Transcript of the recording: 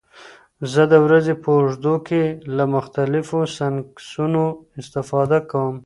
زه د ورځې په اوږدو کې له مختلفو سنکسونو استفاده کوم.